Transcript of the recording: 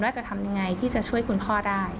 จะทำยังไงที่จะช่วยคุณพ่อได้